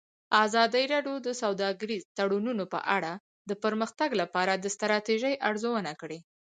ازادي راډیو د سوداګریز تړونونه په اړه د پرمختګ لپاره د ستراتیژۍ ارزونه کړې.